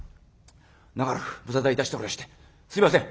長らく無沙汰いたしておりやしてすいません。